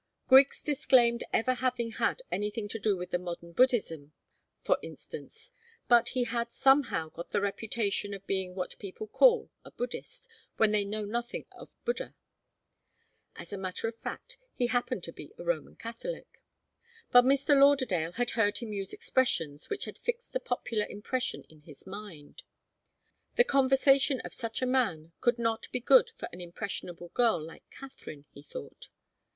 Griggs disclaimed ever having had anything to do with modern Buddhism, for instance. But he had somehow got the reputation of being what people call a Buddhist when they know nothing of Buddha. As a matter of fact, he happened to be a Roman Catholic. But Mr. Lauderdale had heard him use expressions which had fixed the popular impression in his mind. The conversation of such a man could not be good for an impressionable girl like Katharine, he thought.